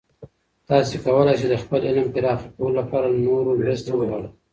تاسې کولای سئ د خپل علم پراخه کولو لپاره له نورو مرستې وغواړئ.